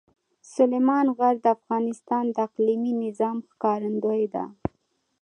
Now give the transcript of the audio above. سلیمان غر د افغانستان د اقلیمي نظام ښکارندوی ده.